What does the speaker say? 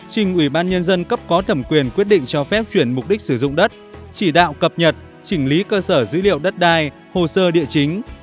ba trình ubnd cấp có thẩm quyền quyết định cho phép chuyển mục đích sử dụng đất chỉ đạo cập nhật chỉnh lý cơ sở dữ liệu đất đai hồ sơ địa chính